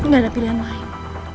gak ada pilihan lain